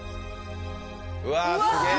うわあすげえ！